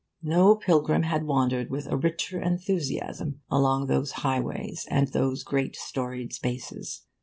No pilgrim had wandered with a richer enthusiasm along those highways and those great storied spaces.